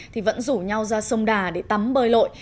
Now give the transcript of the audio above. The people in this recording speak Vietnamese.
thì vẫn rủ nhau ra sông đà để tắm bơi lội